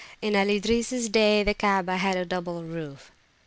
In Al Idrisis day the Kaabah had a double roof.